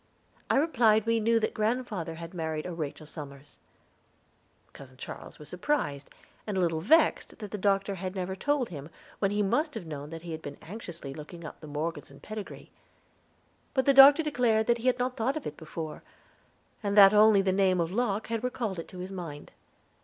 I replied we knew that grandfather had married a Rachel Somers. Cousin Charles was surprised and a little vexed that the doctor had never told him, when he must have known that he had been anxiously looking up the Morgeson pedigree; but the doctor declared he had not thought of it before, and that only the name of Locke had recalled it to his mind.